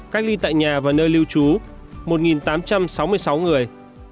cách ly tại nhà và nơi lưu trú một tám trăm sáu mươi sáu người